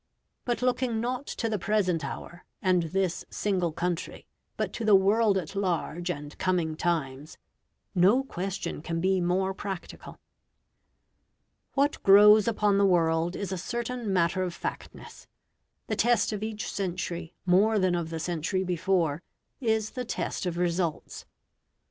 But looking not to the present hour, and this single country, but to the world at large and coming times, no question can be more practical. What grows upon the world is a certain matter of factness. The test of each century, more than of the century before, is the test of results.